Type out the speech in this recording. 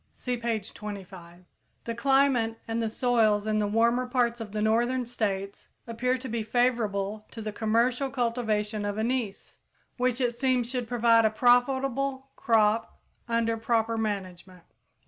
(See page 25.) The climate and the soils in the warmer parts of the northern states appear to be favorable to the commercial cultivation of anise, which it seems should prove a profitable crop under proper management.